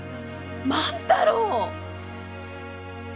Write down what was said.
万太郎！